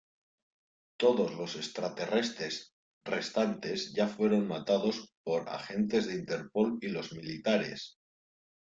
Todos los extraterrestres restantes ya fueron matados por agentes de Interpol y los militares.